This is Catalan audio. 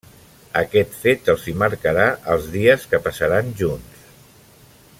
Aquest fet els hi marcarà els dies que passaran junts.